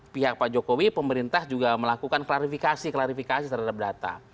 pihak pak jokowi pemerintah juga melakukan klarifikasi klarifikasi terhadap data